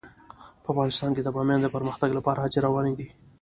په افغانستان کې د بامیان د پرمختګ لپاره هڅې روانې دي.